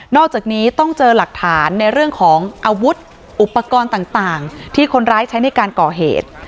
อกจากนี้ต้องเจอหลักฐานในเรื่องของอาวุธอุปกรณ์ต่างที่คนร้ายใช้ในการก่อเหตุ